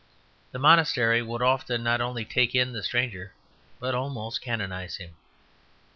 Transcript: The monastery would often not only take in the stranger but almost canonize him.